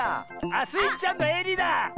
あっスイちゃんのえりだ！